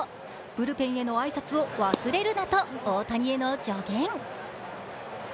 ブルペンへの挨拶を忘れるなと大谷への助言。